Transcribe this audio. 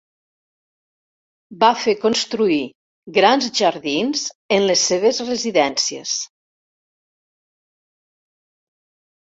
Va fer construir grans jardins en les seves residències.